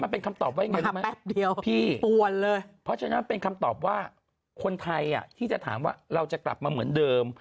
เพราะฉะนั้นมันเป็นคำตอบว่าคนไทยที่จะถามว่าเราจะกลับมาเหมือนเดิม